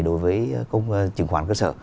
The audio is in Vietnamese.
đối với chứng khoán cơ sở